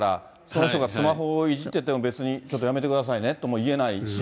その人がスマホいじっててても、別にちょっとやめてくださいねって言えないし。